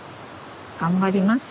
頑張ります。